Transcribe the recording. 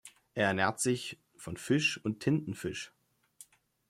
Er ernährt sich von Fisch und Tintenfisch.